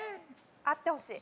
あってほしい。